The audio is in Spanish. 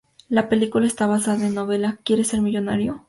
La película está basada en la novela "¿Quiere ser millonario?